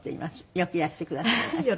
よくいらしてくださいました。